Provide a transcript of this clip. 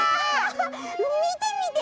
みてみて！